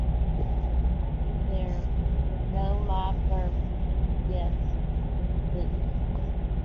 In there were no live births to or deaths of Swiss citizens.